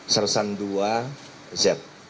sersan dua z